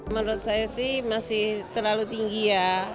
menurut saya sih masih terlalu tinggi ya